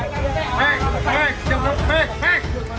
hei hei jangan lupa hei hei